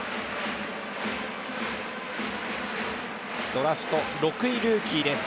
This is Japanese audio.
ドラフト６位ルーキーです